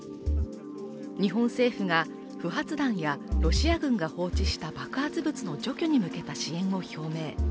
日本政府が不発弾やロシア軍が放置した爆発物の除去に向けた支援を表明。